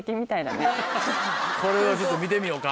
これはちょっと見てみようか。